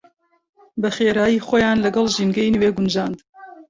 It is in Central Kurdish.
بەخێرایی خۆیان لەگەڵ ژینگەی نوێ گونجاند.